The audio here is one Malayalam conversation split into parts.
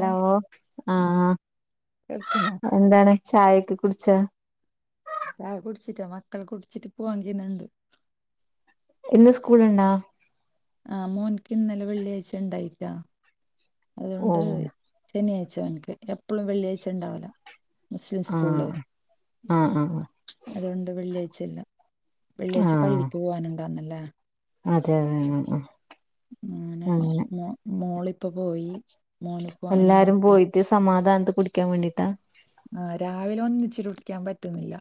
ഹലോ? ആഹ് കേക്കുന്നോ? എന്താണ് ചായൊക്കെ കുടിച്ചോ? ചായ കുടിച്ചിട്ടാ മക്കൾ കുടിച്ചിട്ട് പോവാങ്കിന്നാണ്ട്, ഇന്ന് സ്കൂളുണ്ടാ? ആഹ് മോൻക്ക് ഇന്നലെ വെള്ളിയാഴ്ച ഉണ്ടായില്ല ഓ അതുകൊണ്ട്, ശനിയാഴ്ച ഓൻക്ക് എപ്പളും വെള്ളിയാഴ്ച ഇണ്ടാവല, മുസ്ലിം സ്കൂള് ആഹ് ആഹ് ആഹ് അതുകൊണ്ട് വെള്ളിയാഴ്ച ഇല്ല, വെള്ളിയാഴ് ആഹ് പള്ളിക്ക് പോവാനുണ്ടാന്നല്ലേ, അതെ, അതെ, ആഹ്, ആഹ് അങ്ങനെ മോ മോളിപ്പ പോയി മോന് പോ അങ്ങനെർങ്ങ. ക്ക് സമാധാനത്തി കുടിക്കാൻ വേണ്ടിട്ടാ. ആഹ് രാവിലെ ഒന്നിച്ചിട്ട് കുടിക്കാൻ പറ്റുന്നില്ല.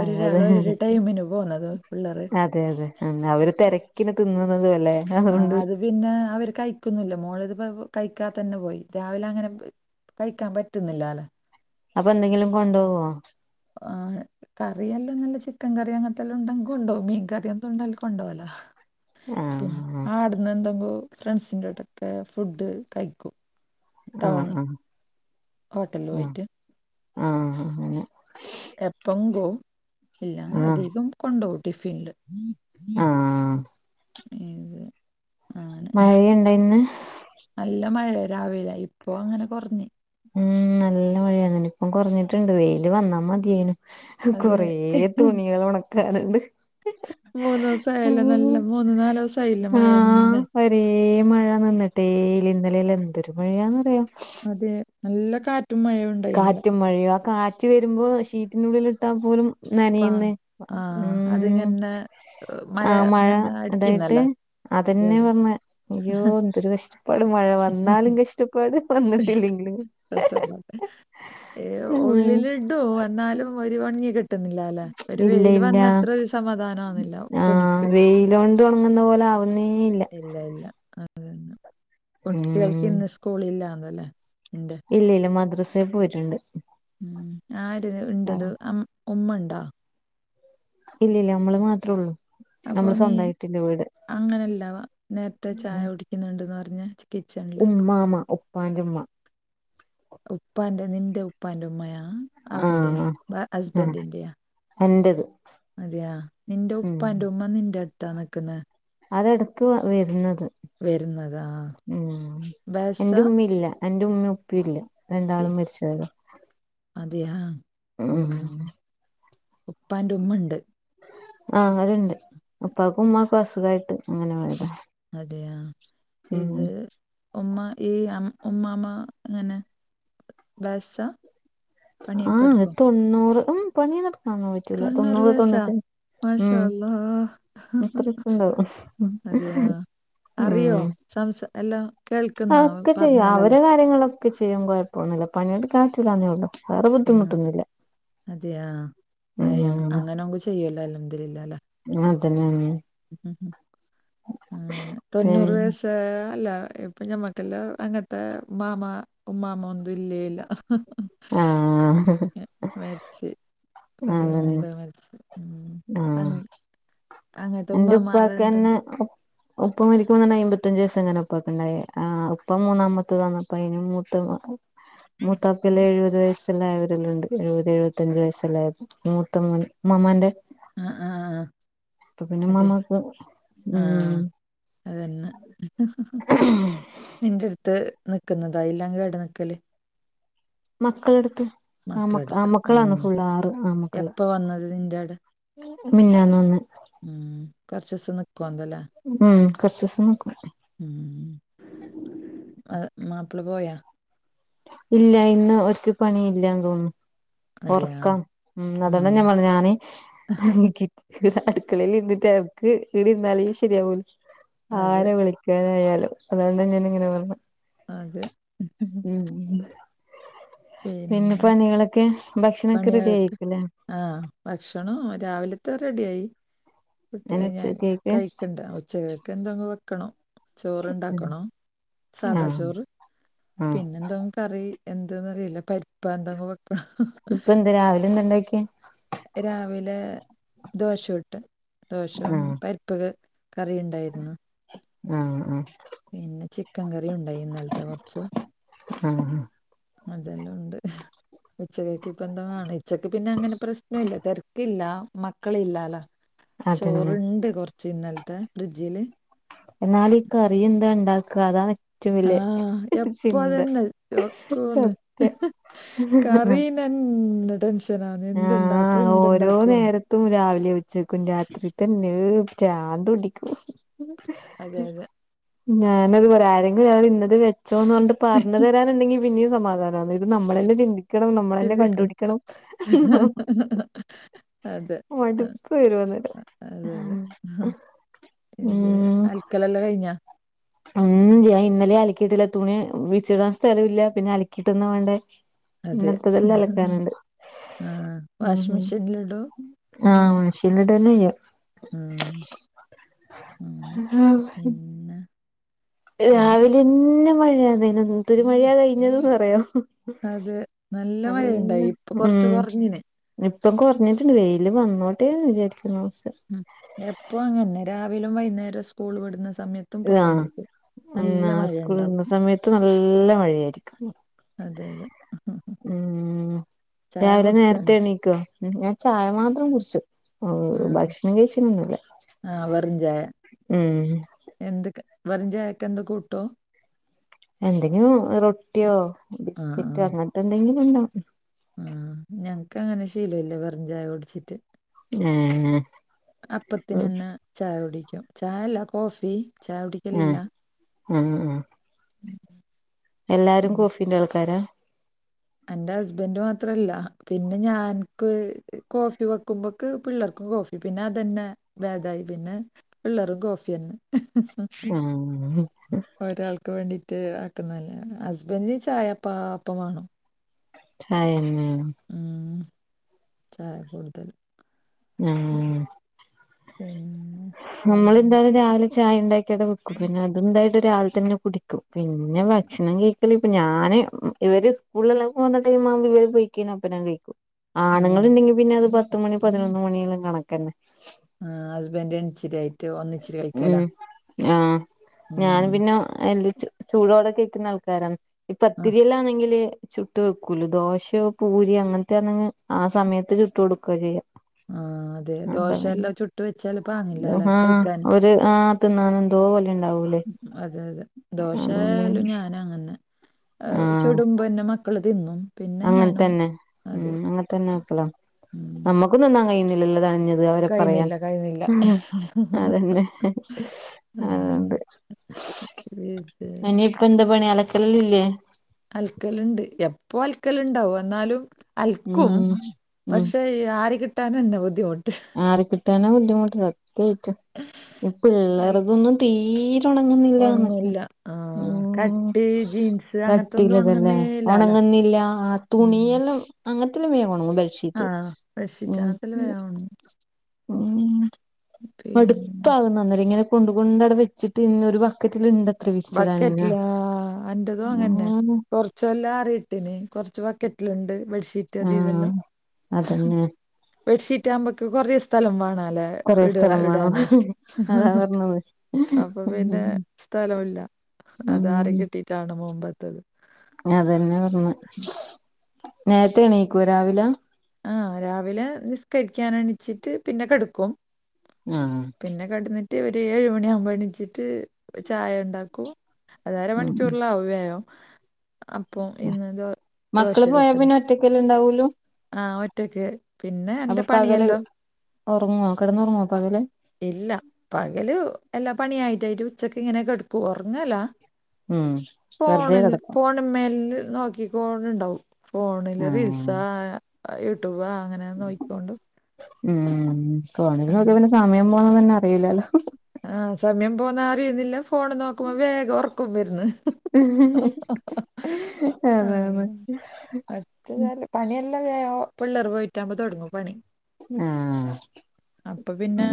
ഒരൂരാള് അതെ ഓരോരോ ടൈമിന് പോകുന്നത് പിള്ളേര്. അതെ, അതെ അവര് തെരക്കിന് തിന്നുന്നതും അല്ലെ, ആഹ് അത് പിന്നെ അവര് കഴിക്കുന്നില്ല മോള് ഇത് കഴിക്കാ തന്നെ പോയി രാവിലെ അങ്ങനെ. കഴിക്കാൻ പറ്റുന്നില്ലാലൊ. അപ്പൊ എന്തെങ്കിലും കൊണ്ടോവോ? ആഹ്. കറിയെല്ലാംനല്ല ചിക്കൻ കറി അങ്ങനത്തെല്ലാം ഉണ്ടെങ്കി കൊണ്ടോവും മീൻ കറി എന്തും ഉണ്ടേലും കൊണ്ടോവുല. പിന്ന ആഹ് ആടുന്ന് എന്തെങ്കോ ഫ്രണ്ട്സിന്റെടെക്കെ ഫുഡ് കഴിക്കും. ടൗൺ ആഹ്, ആഹ്, ഹോട്ടലിൽ ആഹ്, പോയിട്ട് ആഹ് അങ്ങനെ. എപ്പങ്കൊ ഇല്ലങ്ങനെ ആഹ് അധികം കൊണ്ടോവും ടിഫിനില്. ആഹ്. ഏത് അങ്ങനെ. മഴയുണ്ടോ ഇന്ന് നല്ല മഴ രാവിലെ ഇപ്പൊ അങ്ങനെ കൊറഞ്ഞ്. ഉം നല്ല മഴാണ് നിപ്പം കുറഞ്ഞിട്ടുണ്ട് വെയില് വന്നാ മതിയേന്. അത് കൊറേ തുണികള് ഒണക്കാനുണ്ട്. മൂന്നൂസ ആയല്ല നല്ല മൂന്നു നാലിസ ആയില്ലെ ആഹ് മയന്നെ. ഒരേ മഴ നിന്നിട്ടേല ഇന്നലെല്ല എന്തൊരു മഴയാന്നറിയൊ, അതെ നല്ല കാറ്റും മഴവും ഉണ്ടായി ഇന്നലെ, റ്റ്റും മഴയോ ആ കാററ്റ് വരുമ്പോ ഷീറ്റിനുള്ളിൽ ഇട്ടാൽ പോലും, ആ നനീന്ന് ആ ഉം അതിങ്ങനെ ഏ, ആ മഴ ഇങ്ങനെ അതായിട്ട് അടിക്കുന്നല്ലേ അതെ അതെന്നെ അതെ പർഞ്ഞെ അയ്യോ എന്തൊരു കഷ്ട ഇപ്പട് മഴ വന്നാലും കഷ്ടപ്പാട് വന്നിട്ടില്ലെങ്കിലും ഏഹ് ഉം ഉള്ളിലിടു എന്നാലും ഒരു ഒണിങ്ങി കി ട്ടുന്നില്ല അല്ലെ ഒരു ഇല്ല വെയിൽ ഇല്ല വന്ന അത്ര സമാധാനം ആന്നില്ല തുണിക്ക്, വെയ്ലൊണ്ട്, ഉണങ്ങുന്ന പോലെ ആവുന്നേ ഇല്ല, ഇല്ല ഇല്ല അതെന്നെ കുട്ടികൾക്ക് ഉം ഇന്ന് സ്കൂള് ഇല്ലാന്നല്ലേ, ഇല്ല ഇല്ല മദ്രസെ പോയിട്ടുണ്ട്, ആഹ് ഉ ആര് ഉണ്ടത് ഇല്ല ഉമ്മ ഉണ്ടോ? ഇല്ലല്ല നമ്മള് മാത്രേ ഉള്ളൂ, അപ്പൊ നമ്മള് നീ സ്വന്തായിട്ടില്ല വീട് അങ്ങനെല്ലവാ നേരത്തെ ചായ കുടിക്കുന്നുണ്ട്ന്ന് പർഞ്ഞെ, ഉമ്മാമ ഉപ്പാന്റെമ്മ, ഉപ്പാന്റെ നിന്റെ ഉപ്പാന്റെ ഉമ്മയാ ആ അവന്റെ ഹസ്ബൻറിന്റെയാ, എന്റെത്, അതെയാ, നിന്റെ ഉപ്പാന്റെ ഉമ്മ നിന്റെ അടുത്താ നിക്കുന്നെ? അതെടക്ക് വരുന്നത്, വരുന്നതാ ഉം ബേസ എന്റെ ഉമ്മില്ല. എന്റെ ഉമ്മയും ഉപ്പി ഇല്ല രണ്ടാളും മരിച്ച് പോയതാ അതെ യാ ഉം ഉം ഉപ്പാന്റെ ഉമ്മ ഉണ്ട് ആഹ് അവരുണ്ട് ഉപ്പാക്കും ഉമ്മാക്കും അസുഖമായിട്ട് അങ്ങനെ വയുതാ അതെയാ ഉം ഇത് ഉമ്മ ഈ ഉമ്മാമ എങ്ങനെ വാസ ആഹ് തൊണ്ണൂറ് ഉം പണി നടക്കന്ന പറ്റൂല തൊണ്ണൂറ് തൊണ്ണൂറ്റി മാഷാ ഉം അല്ലാ അത്ര ഇപ്പ ഇണ്ടാവും അതെയാ ഉം അറിയോ സംസ അല്ലാം ഒക്ക ചെയ്യും അവരെ കാര്യങ്ങളൊക്കെ ചെയ്യും കുഴപ്പൊന്നുമില്ല പണിയെടുക്കാ പറ്റുല്ലന്നേ ഉള്ളൂ വേറെ ഉം ബുദ്ധിമുട്ടൊന്നുല്ല അതെയാ അ ഉം അങ്ങനെങ് ചെയ്യല്ലോ അല്ലോ അൽഹംദുലില്ല ആതന്നെ ആന് തൊണ്ണൂറ് പിന്നെ വയസായഅല്ല കുഞമ്മക്കല്ല അങ്ങനത്തെ മാമ ഉമ്മാമ ഒന്നും ഇല്ലേല്ല ആഹ് മരിച്ച് പറിയ അതന്നെ മുമ്പെ മരിച്ച് ഉം. ആഹ് അങ് എന്റെ അങ്ങനത്തുമ്മമാരുണ്ട് ഉപ്പക്കെന്നെ ഉപ്പ മരിക്കുമതന്നെ അമ്പത്തഞ്ചച് വയസ്എങ്ങനെ ഒപ്പൊക്ക ഉണ്ടായി ആഹ് ഒപ്പം മൂന്നാമത്തത് തന്നപ്പ അ മൂത്ത മുത്താപ്പില ഇഴത് വയസ്സ് ല്ലായവരില്ല ഉണ്ട് എഴുപത് എഴുപത്തചു വയസ്സായ മൂത്ത ഉമ്മാമ്മന്റെ ആഹ് ആഹ് ആഹ് ഇപ്പ പിന്നെ ഉമ്മാമക്ക് ഉം അതന്നാ നിന്റെ എടുത്ത് നിക്കുന്നതാ ഇല്ലാങ്കടെ ഇവടെ നിക്കല് മക്കള് എടുത്ത് ആമ മക്കള ആമ അടുത്ത് ആ മക്കളാണ് ഫുള് ആറ് ആമ്മക്കള് എപ്പ വന്നത് നിന്റെ അവിടെ മിഞ്ഞാന്ന് വന്ന് ഉം കുറച്ച്സം നിക്കോന്തല്ലേ ഉം കുർചുസം നിക്കും ഉം അത് മാപ്പിള പോയ ഇല്ല ഇന്ന് ഒരിക്ക് പണി ഇല്ല തോന്നു അതെയാ ഉറക്കാം ഉം ആ അതൊണ്ട ഞാൻ പറഞ്ഞെ ഞാന് എനിക്ക് ഇവിടെ അടുക്കളെൽ നിന്നിട്ട് ആൾക്ക് ഇവിടെ ഇര്ന്നാലെ ശരിയാവുല അതെ ആര വിളി ക്കൻ ആയാലും അതൊട ഞാൻ ഇങ്ങനെ പറഞ്ഞെ അതെ ഉം പി പിന്നെ പണികളൊക്കെ ഭക്ഷണൊക്കെ റെഡി പണികളൊക്കെ ആയിരിക്കുല്ലേ ആഹ് ഭക്ഷണം രാവിലത്തെ റെഡിയായി അയിന് കുട്ടികളും ഞാനും ഉച്ചത്തേക്ക് കഴിക്കണ്ട ഉച്ചകൊക്കെ എന്തെങ്കും വെക്കണം ഉം ചോറണ്ടാക്കണോ സാദാ ആഹ് ചോറ് ആഹ് പിന്നെന്തോ‌ കറി എന്തന്നറിയില്ല പരിപ്പ എന്തെങ്കും വെക ഇപ്പ എന്ത് രാവിലെ എന്താ ഉണ്ടാക്കിയെ രാവിലെ ദോശുട്ട് ദോശവും ആഹ് പരി പ്പൊക്കെ കറി ഉണ്ടായിരുന്നു ആഹ് ആഹ് പിന്നെ ചിക്കൻ കറി ഉണ്ടായി ഇന്നലത്തെ കൊറച്ചു ആഹ് ആഹ് അതെല്ലാം ഉണ്ട് ഉച്ചകക്ക് ബന്താമാണ് ഉച്ചക്ക് പിന്നെ അങ്ങനെ പ്രശ്ന ഇല്ല തിരക്കില്ല മക്കള ഇല്ലല്ല അതന്നെ ചോറിണ്ട് കൊറച്ച് ഇന്നലത്തെ ഫ്രിഡ്ജില് എന്നാലി കറി എന്താ ഉണ്ടാക്ക അതാണ് ഏറ്റവും വല്യ ആഹ് എപ്പ ചിന്ത തന്നെ ചോക്കൂന്ന് സത്യം കറി തൻനെ ടെൻഷനന്ന് എന്തു ഉണ്ടാക്കും എന്തുണ്ടാക്കും എന്ന് ത്തു രാവിലെ ഉച്ചേക്കു രാത്രി തന്നെ പ്രാന്ത് പിടിക്കും അതെ അതെ ഞാനത്പറ ആരെങ്കിലും അത് ഇന്നത് വെച്ചോന്ന്പറഞ്ഞിട്ട് പറഞ്ഞു തരാനുണ്ടെങ്കിൽ പിന്നേം സമാധാനണ് ഇത് നമ്മള തന്നെ ചിന്തിക്കണം നമ്മള തന്നെ ചിന്തിക്കണം കണ്ടുപിടിക്കണം അതെ മടുപ്പ് വരും അതെ അതെ ഉം ക്കലല്ലാം കഴിഞ്ഞ ഉം ഞാൻ ഇന്നലെ അലക്കിട്ടില്ല തുണി വിശിട സ്ഥലവില്ല പിന്നെ അലക്കിട്ടന്ന വേണ്ടേ അതെ ഇന്നത്തെതെല്ല അല്ലക്കാനണ്ട് ആ ഉം വാഷിംഗ് മെഷീനിലിടോ എങ്ങനെ ആഹ് എന്നിട്ടനയാ ഉം അങ്ങനെ. [unintelligible] പിന്നെ എൻ- രാവിലാന്നെ മഴയാ അന എന്തൊരു മഴയാ കഴിഞ്ഞതന്ന് പറയാ അത് നല്ല മഴയുണ്ടായി അതന്നെ ഇപ്പൊ കുറച്ച് ഉം കുറഞ്ഞിന് ഇപ്പം കുറഞ്ഞിട്ടുണ്ട് വെയില് വന്നോട്ടേന്ന് വിചാരിക്കുനുസ് ഉം എപ്പൊ അങ്ങനെ രാവിലും വൈകുന്നേരം സ്കൂൾ വിടുന്ന സമയ ആതാ ഉം ആ സ്കൂള് ഉണ്ടാവും വിട്ന്ന സമയത്ത് നല്ല മഴയാരിക്കും അതെ അതെ ഉം ചായ രാവിലെ കുടിച്ച നേരത്തെ എണീക്കുവോ ഞാൻ ചായ മാത്രം കുടിച്ചു ഭക്ഷണം കഴിച്ച് ഒന്നും ഇല്ല ആഹ് വെറും ചായ ഉം [unintelligible] എന്ത് വെറും ചായക്ക്‌ എന്താ കൂട്ടോ എന്തെങ്കിലും റൊട്ടിയോ ആ ബിസ്കറ്റോ അങ്ങനത്തെ എന്തെങ്കിലും ഉണ്ടാക്കും ആഹ് ഞങ്ങക്ക് അങ്ങനെ ശീലവില്ലേ വെറും ചായ കുടിച്ചിട്ട് ഉം [unintelligible] അപ്പത്തിന് തന്നെ ചായ കുടിക്കും ചായയല്ല കോഫി ചായ കുടിക്കല് ഇല്ല ആഹ് ആഹ് എല്ലാരും കോഫിന്റെ ആൾക്കാരാ എന്റെ ഹസ്ബൻഡ് മാത്രല്ല പിന്നെ ഞാൻക്ക് കോഫി വെക്കുമ്പോ- ക്ക് പിള്ളേർക്ക് കോഫി പിന്നെ അതന്നെ ഭേദായി പിന്നെ പിള്ളേരും കോഫി തന്നെ ആഹ് ഒരാൾക്ക് വേണ്ടിട്ട് ആക്കുന്നതന്നെ ഹസ്ബൻഡന് ചായ എപ്പാ അപ്പ വേണം ചായ തന്നെയൊ ഉം ചായ കൂടുതൽ ആഹാ പിന്നെ നമ്മള് വേറെ എന്തായാലും രാവിലെ ചായ ഉണ്ടാക്കിയിടെ വെക്കും പിന്നെ അത് എന്തായാലും രാവിലെ തന്നെ കുടിക്കും പിന്നെ ഭക്ഷണം കഴിക്കല് ഇപ്പൊ ഞാന് ഇവര് സ്കൂളി എല്ലാം പോവുന്ന ടൈം ആവുമ്പോ ഇവര് പോയി ഒപ്പം ഞാൻ കഴിക്കും ആ ആണുങ്ങളുണ്ടെങ്കി പിന്നെ അത് പത്തുമണി പതിനൊന്ന് മണിയെല്ലാം കണക്ക്‌ തന്നെ ആ ഹസ്ബൻഡ് രണ്ട [unintelligible] ഇരി ആയിട്ടോ ഒന്നിച്ച് കഴിക്കല ഉം ആഹ് ഞാൻ പിന്നെ എല് ചൂടോടെ കഴിക്കുന്ന ആൾക്കാരാണ് ഈ ആ പത്തിരില് ആണെങ്കില് - ചുട്ട് വെക്കൂല ദോശയോ പൂരിയോ അങ്ങനത്തെയാണ് അങ്ങ് ആ സമയത്ത് ചുട്ട് കൊടുക്കുക ചെയ്യാ ആഹാ അതെ ദോശ എല്ലാം ചുട്ട് വെച്ചാല് പാങ്ങില്ല അല്ലേ ആ ഒരു ആഹാ തിന്നാൻ എന്തോ പോലെ ഉണ്ടാവൂ അതെ അതെ ദോശയായാലും ഞാന് അങ്ങനെ ആഹ് ചുടുമ്പം പിന്നെ - മക്കള് തിന്നും പിന്നെ അങ്ങനെ ഞാനും തന്നെ ഉം അത് അങ്ങനെ തന്നെ ആക്കലാ ഉം നമ്മുക്കൊന്നും തിന്നാൻ കഴിയുന്നില്ലല്ലോ തഴി [unintelligible] ഞ്ഞ ഉള്ള [unintelligible] വരെ പറയാൻ കഴിയുന്നില്ല കഴിയുന്നില്ല അത് അങ്ങനെ ആയൊണ്ട് ഉം, ഇത് എനി ഇപ്പൊ എന്ത് പണിയാ അലക്കല് ഇല്ലേ അലക്കല് ഇണ്ട് എപ്പൊ അല ക്കല്ണ്ടാവും എന്നാലും- അലക്കും ഉം ഉം പക്ഷേ ആര് [unintelligible] കിട്ടനാ നുവതി കൊണ്ട് ആരാ കിട്ടാനാ ബുദ്ധിമുട്ട് സത്യായിട്ടും ഈ അൽ- പിള്ളേർതൊന്നും തീര- ട്ടൊ ഒണങ്ങും നില്ലാന്ന് ഉണങ്ങില്ല ആ കട്ടി ജീൻസ് അങ്ങനത്തെ ഒന്നും കട്ടിയുള്ളത് അല്ലേ ഉണങ്ങുന്നേലാല ഒണങ്ങുന്നില്ല ഉം. തുണിയെല്ലാം അങ്ങനത്തെല്ലാം വേഗം ഒണങ്ങും [unintelligible] ആ ബെഡ്ഷീറ്റ് അങ്ങനത്തെ മടുത്തി വേണം [unintelligible] പിന്നെ ഇപ്പ ആവും അന്നേരം ഇങ്ങനെ കൊണ്ട് കൊണ്ട് അവിടെ വച്ചിട്ട് ഒരു ബക്കറ്റില് ഇണ്ട് ബക്കറ്റിലാ അന്റതും അങ്ങനെ തന്നെ ഉം കൊ - ചൊല്ലാ [unintelligible] റിട്ടിന് കൊറച്ച് ബക്കറ്റില്ണ്ട് ബെഡ്ഷീറ്റ്- ആഹ് ഇതെല്ലാം അതന്നെ ബെഡ്ഷീറ്റ് ആവുമ്പം നമുക്ക് കൊറേ സ്ഥലം വേണാലോ കൊറേ ഇട്ക സ്ഥലം വേണം ഇടാനെ അതാ പറഞ്ഞത് അപ്പൊ പിന്നെ ഉം സ്ഥലം ഇല്ല അതാരെ കിട്ടിട്ടാണ് മോൻ വന്നത് അതന്നെ പറഞ്ഞ്. നേരത്തെ എണീക്കോ രാവിലെ? ആഹ് രാവിലെ നിസ്കരിക്കാൻ എണിച്ചിട്ട് പിന്നെ കെട്ക്കും ആഹ് പിന്നെ കെടന്നിട്ട് ഒരു ഏഴ് മണിയാവുമ്പോ എണിച്ചിട്ട് ചായണ്ടാക്കും അത് ഉം അരമണിക്കൂറിലാവും വേഗം അപ്പം ഇന്ന് ദോ ദോശ ചുട്ടത് റ്റക്കല്ലേ ണ്ടാവുലൂ ആഹ് ഒറ്റക്ക് അപ്പോ പകല് ഒറങ്ങോ? കെടന്നൊർങ്ങോ പകല് ഇല്ല പകല് എല്ലാ പണിയായിട്ടായിട്ടും. ഉച്ചക്ക് ഇങ്ങനെക്കെടുക്കും. ഒറങ്ങേല്ല ഉം വെറുതെ ഫോണിൽ കിടക്കും ഫോൺമ്മേൽല് നോക്കിക്കോണ്ട്ണ്ടാവും ഫോണില് ആഹ് റീൽസാ, യൂട്യൂബാ അങ്ങനെ നോക്കിക്കൊണ്ട് ഉം ഫോണില് അങ്ങനെ നോക്ക്യ പിന്നെ സമയം പോണതന്നെ അറീല്ലാല്ലോ. ആഹ് സമയം പോകുന്നത് അറീന്നില്ല. ഫോണ് നോക്കുമ്പോ വേഗ ഒർക്കും വെര്ന്ന് അതാണ് അത് കാരണം പണിയെല്ലാം വെയോ പിള്ളേർ പോയിറ്റാവുമ്പോ തൊടങ്ങും പണി. ആഹ് അപ്പ പിന്നെ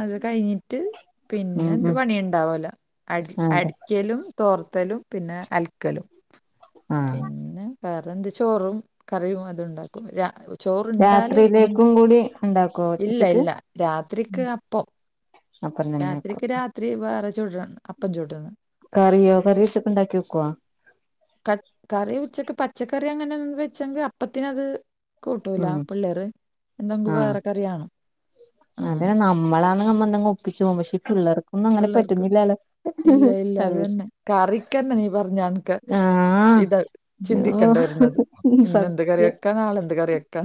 അത് കഴിഞ്ഞിട്ട് പിന്നെ ഉം എന്ത് ഉം പണി ഇണ്ടാവൂല. അടി അതെ അടിക്കലും തോർത്തലും പിന്നെ അൽക്കലും. ആഹ് പിന്നെ വേറെ എന്ത്? ചോറും കറിയും അത്ണ്ടാക്കും. രാ ചോറുണ്ടാല്. മുൻ രാത്രിയിലേക്കും കൂടി ഉണ്ടാക്കുവോ ഇല്ല ഉച്ചക്ക് ഇല്ല രാത്രിക്ക് അപ്പം. അപ്പം തന്നെ രാത്രിക്ക് ആക്കും രാത്രി വേറെ ചുടാ. അപ്പം ചുട്ണ്. കറിയോ കറി ഉച്ചക്ക്ണ്ടാക്കി വെക്ക്വോ? ക കറി ഉച്ചക്ക് പച്ചക്കറി അങ്ങനെ വെച്ചെങ്കി അപ്പത്തിന് അത്. കൂട്ടൂല ഉം പിള്ളേറ് എന്തെങ്കും ആഹ് വേറെ കറിയാണം അതെ നമ്മളാന്ന് നമ്മ എന്തെങ്കും ഒപ്പിച്ചും പക്ഷേ പിള്ളേർ പിള്ളേർക്ക് ഇല്ല ഇല്ല അത് അവര് തന്നെ. കറിക്കന്നെ നീ പറഞ്ഞാൻക്ക് ആഹ് ഇത് അയ്യോ ചിന്തിക്കണ്ടവരുന്നത് ഇന്നന്ത് സത്യം കറിവക്കാ? നാളെന്ത് കറിവക്കാ?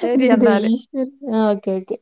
ശരി എന്നാല് ഏഹ് ആഹ് ഓക്കെ ഓക്കെ